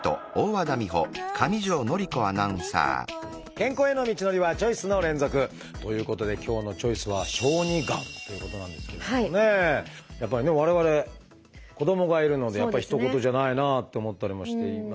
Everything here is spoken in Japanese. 健康への道のりはチョイスの連続！ということで今日の「チョイス」はやっぱりね我々子どもがいるのでやっぱりひと事じゃないなって思ったりもしていますが。